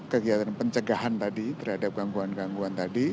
kegiatan pencegahan tadi terhadap gangguan gangguan tadi